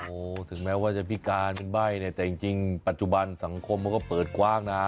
โอ้โหถึงแม้ว่าจะพิการเป็นใบ้เนี่ยแต่จริงปัจจุบันสังคมมันก็เปิดกว้างนะ